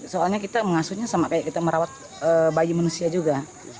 soalnya kita mengasuhnya sama kayak kita merawat bayi manusia juga